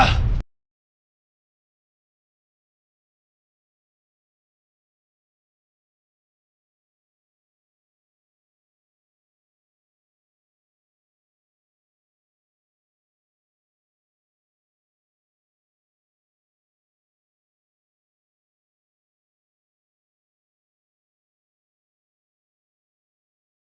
bos memang pinter